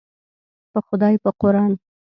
په خدای په قوران.